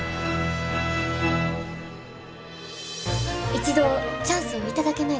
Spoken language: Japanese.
一度チャンスを頂けないでしょうか？